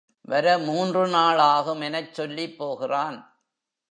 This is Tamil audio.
வர மூன்று நாள் ஆகும் எனச் சொல்லிப் போகிறான்.